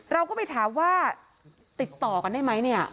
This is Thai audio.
เราก็ไปถามว่าติดต่อกันได้ไหมเนี่ย